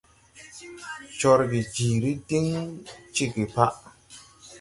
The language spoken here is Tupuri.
Corge jiiri diŋ ceege pa.